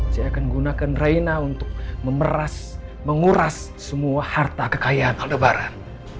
saya akan gunakan reina untuk memeras menguras semua harta kekayaan aldebaran